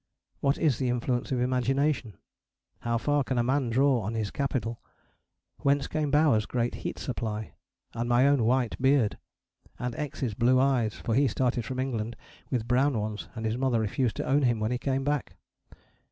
What is the influence of imagination? How far can a man draw on his capital? Whence came Bowers' great heat supply? And my own white beard? and X's blue eyes: for he started from England with brown ones and his mother refused to own him when he came back?